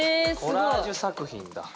コラージュ作品だ。